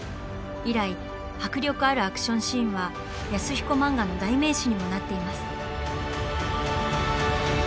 以来迫力あるアクションシーンは安彦漫画の代名詞にもなっています。